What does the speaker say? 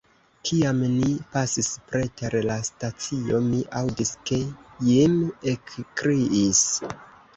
Kiam ni pasis preter la stacio, mi aŭdis, ke Jim ekkriis.